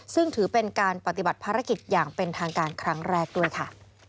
ซึ่งถือเป็นการปฏิบัติภารกิจอย่างเป็นทางการครั้งแรกด้วยค่ะ